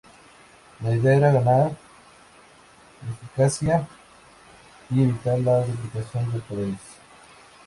La idea era ganar eficacia y evitar la duplicidad de poderes.